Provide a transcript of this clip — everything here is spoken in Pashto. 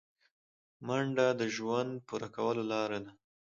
منډه د ژوند پوره کولو لاره ده